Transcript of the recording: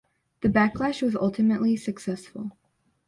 The backlash was ultimately successful.